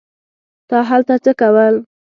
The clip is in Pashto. تا هلته څه کول.